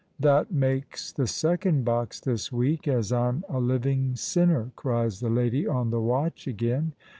"That makes the second box this week, as I'm a living sinner," cries the lady on the watch again.